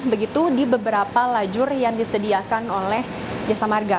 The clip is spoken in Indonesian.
begitu di beberapa lajur yang disediakan oleh jasa marga